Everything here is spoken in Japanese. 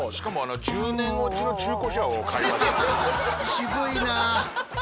渋いな。